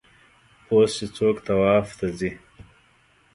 اوس چې څوک طواف ته ځي.